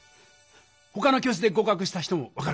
ほかの教室で合かくした人も分かるかな？